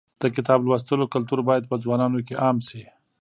د کتاب لوستلو کلتور باید په ځوانانو کې عام شي.